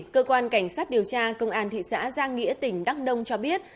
cơ quan cảnh sát điều tra công an thị xã giang nghĩa tỉnh đắk đông cho biết